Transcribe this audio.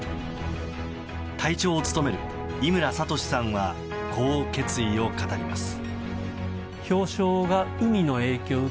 隊長を務める伊村智さんはこう決意を語ります。